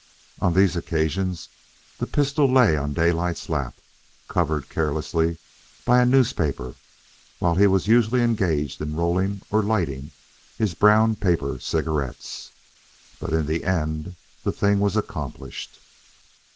On these occasions the pistol lay on Daylight's lap, covered carelessly by a newspaper, while he was usually engaged in rolling or lighting his brown paper cigarettes. But in the end, the thing was accomplished.